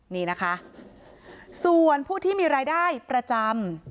นี่นะคะส่วนผู้ที่มีรายได้ประจำ